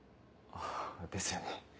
あぁですよね